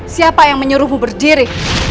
siapa yang menyuruhmu berdiri